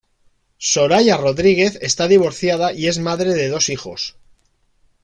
Soraya Rodríguez está divorciada y es madre de dos hijos.